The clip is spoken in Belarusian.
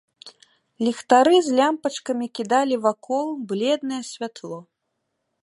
Ліхтары з лямпачкамі кідалі вакол бледнае святло.